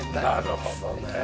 なるほどねえ。